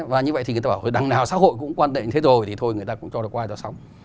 và như vậy thì người ta bảo là đằng nào xã hội cũng quan tệ như thế rồi thì thôi người ta cũng cho được qua cho xong